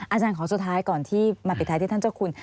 อาจารย์ขอสุดท้ายก่อนที่มาปิดท้ายที่ท่านเจ้าคุณ